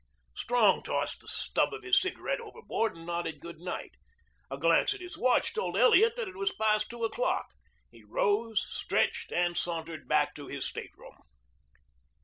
Strong tossed the stub of his cigarette overboard and nodded good night. A glance at his watch told Elliot that it was past two o'clock. He rose, stretched, and sauntered back to his stateroom.